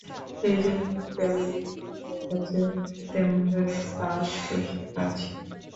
সেইজন্যে কেবলই দেরি হয়ে যাচ্ছে, তেমন জোরে ফাঁস কষতে পারছি নে।